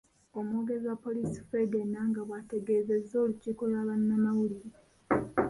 Omwogezi wa poliisi Fred Enanga bwategeezezza olukiiko lwa bannamawulire